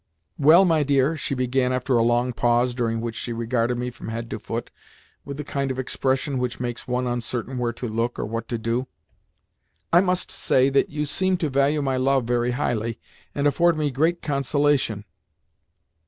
"Well, my dear," she began after a long pause, during which she regarded me from head to foot with the kind of expression which makes one uncertain where to look or what to do, "I must say that you seem to value my love very highly, and afford me great consolation."